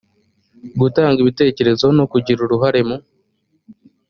gutanga ibitekerezo no kugira uruhare mu